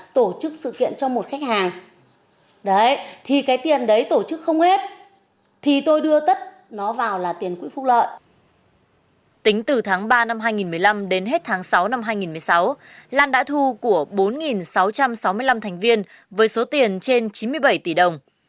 tính từ tháng ba năm hai nghìn một mươi năm đến hết tháng sáu năm hai nghìn một mươi sáu lan đã thu của bốn sáu trăm sáu mươi năm thành viên với số tiền trên chín mươi bảy tỷ đồng